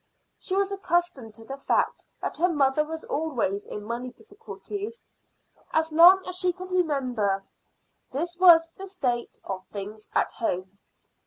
She was accustomed to the fact that her mother was always in money difficulties. As long as she could remember, this was the state of things at home.